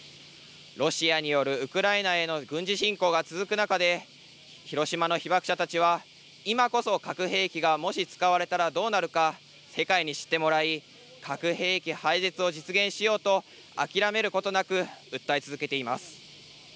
ロシアによるウクライナへの軍事侵攻が続く中で、広島の被爆者たちは今こそ核兵器がもし使われたらどうなるか世界に知ってもらい、核兵器廃絶を実現しようと、諦め